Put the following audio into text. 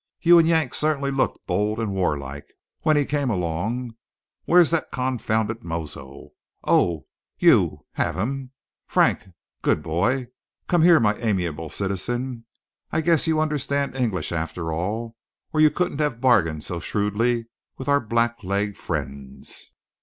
You and Yank certainly looked bold and warlike when he came along. Where's that confounded mozo? Oh, you have him, Frank. Good boy! Come here, my amiable citizen. I guess you understand English after all, or you couldn't have bargained so shrewdly with our blackleg friends."